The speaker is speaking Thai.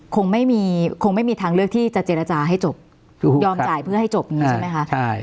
คงไม่มีคงไม่มีทางเลือกที่จะเจรจาให้จบยอมจ่ายเพื่อให้จบอย่างนี้ใช่ไหมคะ